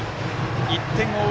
１点を追う